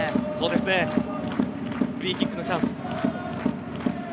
フリーキックのチャンス。